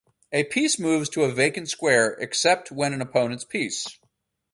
A piece moves to a vacant square except when an opponent's piece.